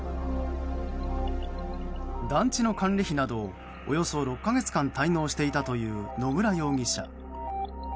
団地の管理費などをおよそ６か月間滞納していたという野村容疑者。